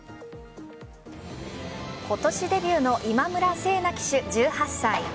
今年デビューの今村聖奈騎手、１８歳。